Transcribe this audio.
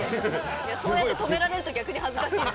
そうやって止められると逆に恥ずかしい。